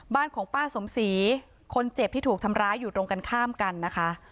บ้านของป้าสมศรีคนเจ็บที่ถูกทำร้ายอยู่ตรงกันข้ามกันนะคะ